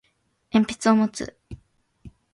鉛筆を持つ